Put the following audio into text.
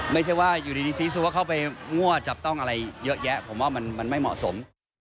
ไม่ใช่ว่าอยู่ดีซีซัวเข้าไปงั่วจับต้องอะไรเยอะแยะผมว่ามันไม่เหมาะสม